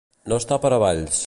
No estar per a balls.